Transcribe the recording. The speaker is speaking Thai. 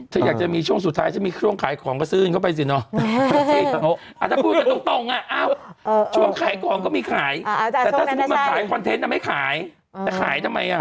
ถ้าอยากจะมีช่วงสุดท้ายถ้ามีช่วงขายของก็ซื่นเข้าไปสิเนาะ